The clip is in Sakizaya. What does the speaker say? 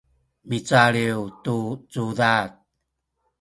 micaliw tu cudad